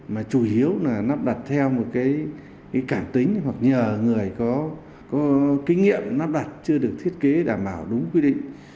mà chủ yếu là nắp đặt theo một cái cảm tính hoặc nhờ người có kinh nghiệm nắp đặt chưa được thiết kế đảm bảo đúng quy định